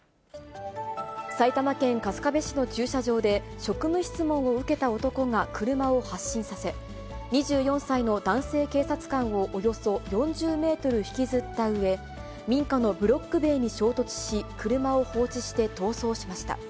埼玉県春日部市の駐車場で、職務質問を受けた男が車を発進させ、２４歳の男性警察官をおよそ４０メートルひきずったうえ、民家のブロック塀に衝突し、車を放置して逃走しました。